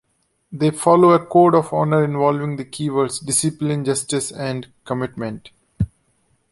They follow a code of honor involving the keywords "discipline", "justice" and "commitment".